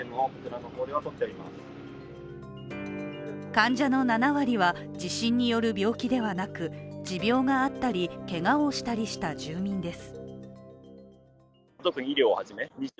患者の７割は地震による病気ではなく持病があったりけがをしたりした住民です。